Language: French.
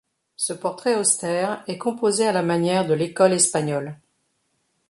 Ce portrait austère est composé à la manière de l'École espagnole.